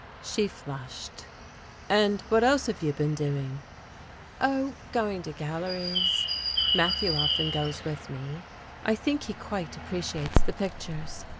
She flushed. "And what else have you been doing?" "Oh, going to galleries. Matthew often goes with me. I think he quite appreciates the pictures.